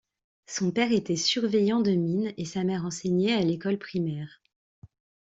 Son père était surveillant de mine et sa mère enseignait à l'école primaire.